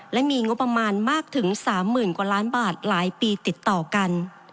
และมีงบประมาณมากถึง๓๐๐๐กว่าล้านบาทหลายปีติดต่อกัน